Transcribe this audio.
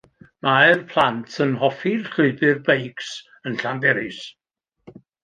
Mae'r plant yn hoffi'r llwybr beics yn Llanberis.